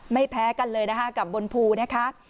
แพ้กันเลยนะคะกับบนภูนะคะ